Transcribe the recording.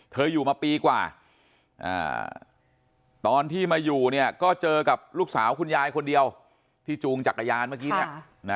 อยู่มาปีกว่าตอนที่มาอยู่เนี่ยก็เจอกับลูกสาวคุณยายคนเดียวที่จูงจักรยานเมื่อกี้เนี่ย